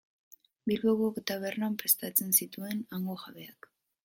Bilboko tabernan prestatzen zituen hango jabeak.